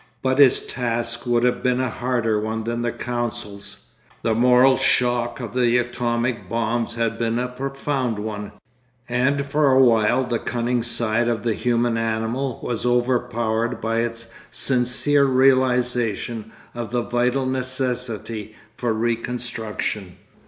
But his task would have been a harder one than the council's. The moral shock of the atomic bombs had been a profound one, and for a while the cunning side of the human animal was overpowered by its sincere realisation of the vital necessity for reconstruction.